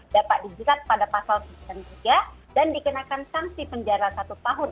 dapat dijirat pada pasal kejahatan tiga dan dikenakan sanksi penjara satu tahun